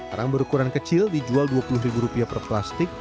arang berukuran kecil dijual dua puluh ribu rupiah per plastik